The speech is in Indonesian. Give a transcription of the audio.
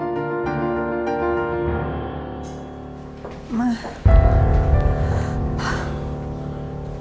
apa gue masuk angin ya